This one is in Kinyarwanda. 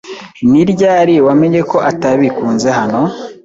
Ni ryari wamenye ko atabikunze hano?